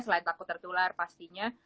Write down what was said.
selain takut tertular pastinya